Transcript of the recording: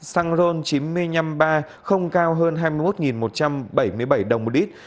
xăng ron chín nghìn năm mươi ba không cao hơn hai mươi một một trăm bảy mươi bảy đồng một lít